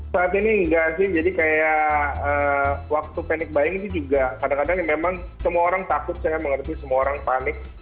saat ini enggak sih jadi kayak waktu panic buying itu juga kadang kadang memang semua orang takut saya mengerti semua orang panik